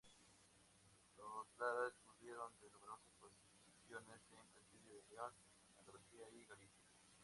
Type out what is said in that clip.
Los Lara dispusieron de numerosas posesiones en Castilla, León, Andalucía y Galicia.